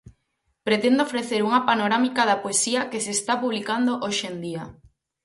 Pretende ofrecer unha panorámica da poesía que se está publicando hoxe en día.